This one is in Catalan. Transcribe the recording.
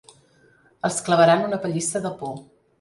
Els clavaran una pallissa de por.